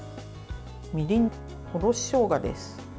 みりん、おろししょうがです。